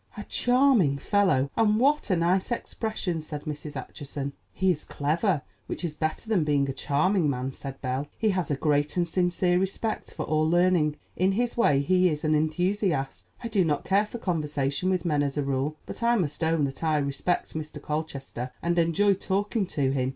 "A charming fellow, and what a nice expression!" said Mrs. Acheson. "He is a clever, which is better than being a charming, man," said Belle; "he has a great and sincere respect for all learning. In his way he is an enthusiast. I do not care for conversation with men as a rule; but I must own that I respect Mr. Colchester, and enjoy talking to him.